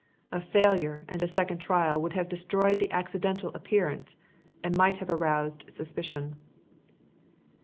A failure and a second trial would have destroyed the accidental appearance, and might have aroused suspicion."